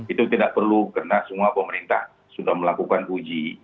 itu tidak perlu karena semua pemerintah sudah melakukan uji